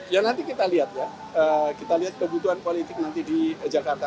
ya nanti kita lihat ya kita lihat kebutuhan politik nanti di jakarta